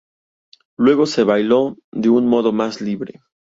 Luego se bailó de un modo más libre.